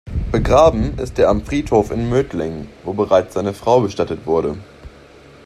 Begraben ist er am Friedhof in Mödling, wo bereits seine Frau bestattet wurde.